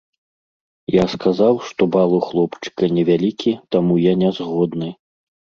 Я сказаў, што бал у хлопчыка невялікі, таму я не згодны.